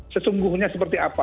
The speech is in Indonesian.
sesungguhnya seperti apa